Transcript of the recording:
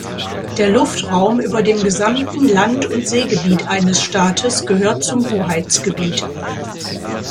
Der Luftraum über dem gesamten Land- und Seegebiet eines Staates gehört zum Hoheitsgebiet.